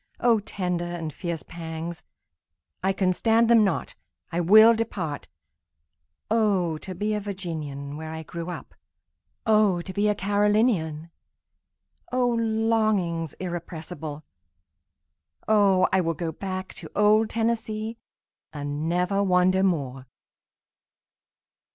O tender and fierce pangs—I can stand them not—I will depart;O to be a Virginian, where I grew up! O to be a Carolinian!O longings irrepressible! O I will go back to old Tennessee, and never wander more!